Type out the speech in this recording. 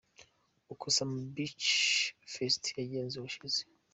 Uko Summer Beach Fest yagenze ubushize:.